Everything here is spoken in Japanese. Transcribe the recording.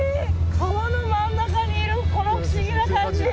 川の真ん中にいるこの不思議な感じ。